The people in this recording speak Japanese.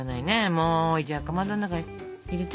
もうじゃあかまどの中に入れて。